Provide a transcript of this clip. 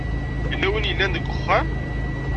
Yella win i yellan deg uxxam?